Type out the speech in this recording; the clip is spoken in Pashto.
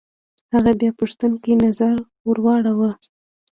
هغه بيا پوښتونکی نظر ور واړوه.